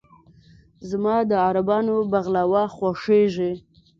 زما د عربانو "بغلاوه" خوښېږي.